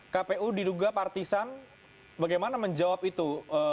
kpu diduga partisan bagaimana menjawab itu